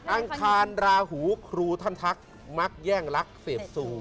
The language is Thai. อังคารราหูครูท่านทักมักแย่งรักเสพซู